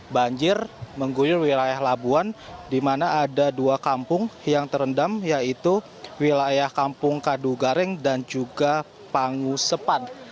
banjir mengguyur wilayah labuan di mana ada dua kampung yang terendam yaitu wilayah kampung kadu garing dan juga pangusepan